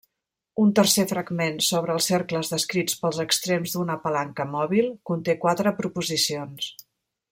Un tercer fragment, sobre els cercles descrits pels extrems d'una palanca mòbil, conté quatre proposicions.